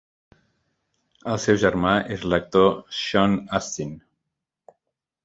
El seu germà és l'actor Sean Astin.